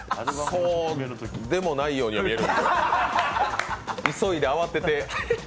そうでもないように見えるんですが急いで慌てて。